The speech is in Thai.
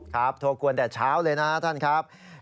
โทรกวนแต่เช้าเลยนะท่านครับ